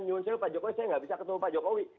nyunsel pak jokowi saya nggak bisa ketemu pak jokowi